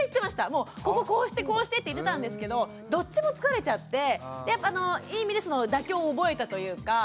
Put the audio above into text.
もうこここうしてこうしてって言ってたんですけどどっちも疲れちゃっていい意味で妥協を覚えたというか。